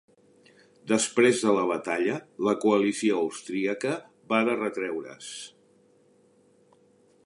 Després de la batalla, la coalició austríaca va de retreure's.